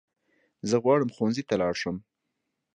زه غواړم ښوونځی ته لاړ شم